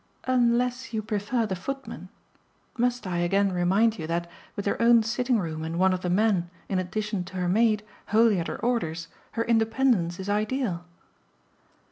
"Unless you prefer the footman. Must I again remind you that, with her own sitting room and one of the men, in addition to her maid, wholly at her orders, her independence is ideal?"